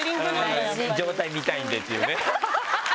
状態見たいんでっていうねハハハハ！